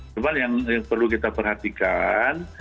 cuma yang perlu kita perhatikan